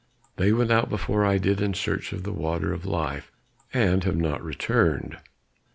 They went out before I did in search of the water of life, and have not returned."